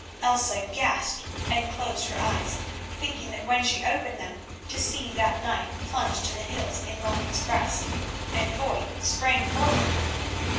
Elsa gasped and closed her eyes, thinking when she opened them to see that knife plunged to the hilt in Martin's breast, and Foy sprang forward.